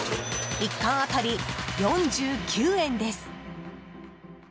１缶当たり４９円です。